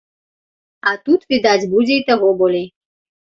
А тут, відаць, будзе і таго болей.